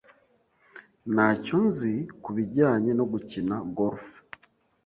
Ntacyo nzi kubijyanye no gukina golf.